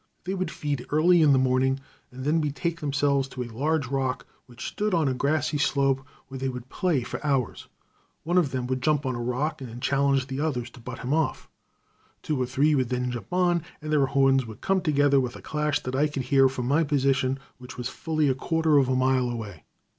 They would feed early in the morning and then betake themselves to a large rock which stood on a grassy slope, where they would play for hours. One of them would jump on the rock and challenge the others to butt him off. Two or three would then jump up, and their horns would come together with a clash that I could hear from my position, which was fully a quarter of a mile away.